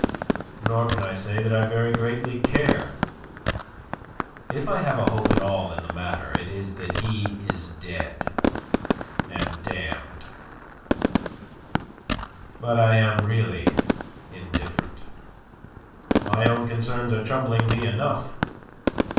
Nor can I say that I very greatly care. If I have a hope at all in the matter it is that he is dead and damned. But I am really indifferent. My own concerns are troubling me enough.